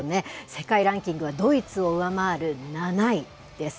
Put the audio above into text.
世界ランキングはドイツを上回る７位です。